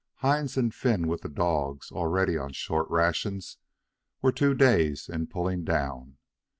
Hines and Finn, with the dogs, already on short rations, were two days in pulling down.